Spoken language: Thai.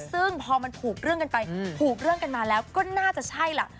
ซึ่งพอมันผูกเรื่องกันไปผูกเรื่องกันมาแล้วก็น่าจะใช่ล่ะ